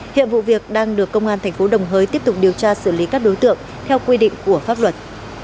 hiện vụ việc đang được công an thành phố đồng hới tiếp tục điều tra xử lý các đối tượng theo quy định của pháp luật